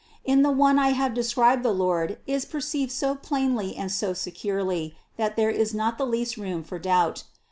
In the one I have described the Lord is per ceived so plainly and so securely, that there is not the least room for doubt.